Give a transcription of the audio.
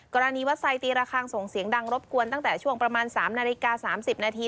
วัดไซตีระคังส่งเสียงดังรบกวนตั้งแต่ช่วงประมาณ๓นาฬิกา๓๐นาที